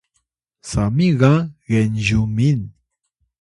sami ga Genzyumin